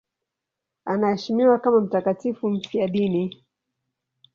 Anaheshimiwa kama mtakatifu mfiadini.